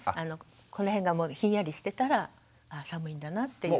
この辺がひんやりしてたらあ寒いんだなっていう。